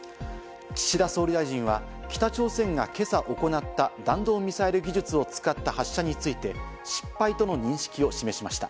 岸田総理大臣は北朝鮮が今朝行った弾道ミサイル技術を使った発射について、失敗との認識を示しました。